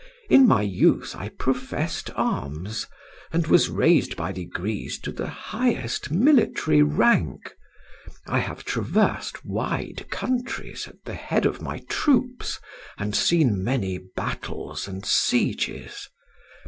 In my youth I professed arms, and was raised by degrees to the highest military rank. I have traversed wide countries at the head of my troops, and seen many battles and sieges.